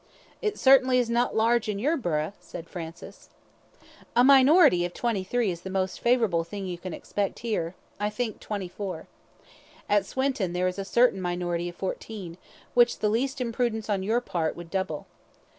"It certainly is not large in your burgh," said Francis. "A minority of twenty three is the most favourable thing you can expect here I think twenty four. At Swinton there is a certain minority of fourteen, which the least imprudence on your part would double.